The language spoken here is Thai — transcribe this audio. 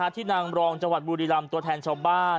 ที่นางรองบุรีรำตัวแทนชาวบ้าน